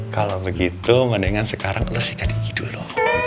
kalau begitu mendingan sekarang lo sikat gigi dulu